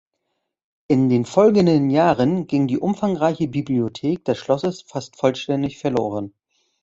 In den folgenden Jahren ging die umfangreiche Bibliothek des Schlosses fast vollständig verloren.